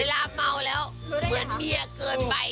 ดูท่าทางฝ่ายภรรยาหลวงประธานบริษัทจะมีความสุขที่สุดเลยนะเนี่ย